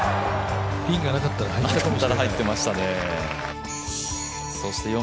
ピンがなかったら入ってたかもしれないね。